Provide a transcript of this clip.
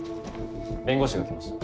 弁護士が来ました。